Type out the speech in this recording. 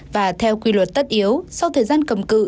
và theo quy luật tất yếu sau thời gian cầm cự